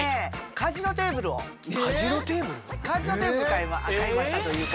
カジノテーブルを買いましたというか。